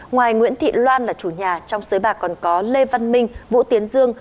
ngoài nguyễn thị loan là chủ nhà trong giới bạc còn có lê văn minh vũ tiến dương